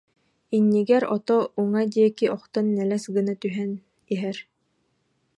Иннигэр ото уҥа диэки охтон нэлэс гына түһэн иһэр